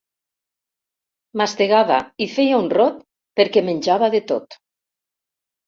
Mastegava i feia un rot perquè menjava de tot.